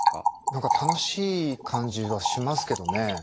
何か楽しい感じはしますけどね。